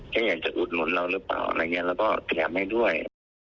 แค่อยากจะอุดหนุนเราหรือเปล่าอะไรอย่างนี้เราก็เตรียมให้ด้วย